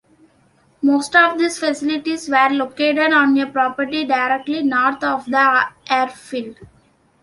Most of these facilities were located on a property directly north of the airfield.